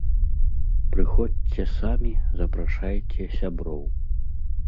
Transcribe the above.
Прыходзьце самі, запрашайце сяброў!